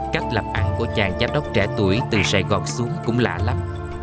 cách làm ăn của chàng giám đốc trẻ tuổi từ sài gòn xuống cũng lạ lắm